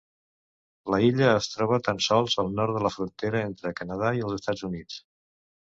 La illa es troba tan sols al nord de la frontera entre el Canadà i els Estats Units.